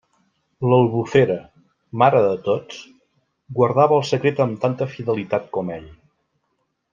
L'Albufera, mare de tots, guardava el secret amb tanta fidelitat com ell.